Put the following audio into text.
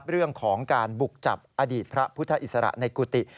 เรื่องของการบุกจับอดีตพระพุทธอิสระในกุฏิ